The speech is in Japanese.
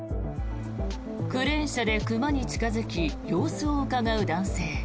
クレーン車で熊に近付き様子をうかがう男性。